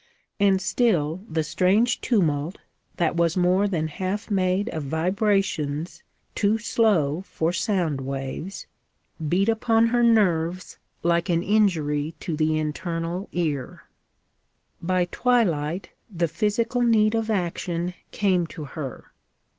And still the strange tumult, that was more than half made of vibrations too slow for sound waves, beat upon her nerves like an injury to the internal ear. By twilight, the physical need of action came to her.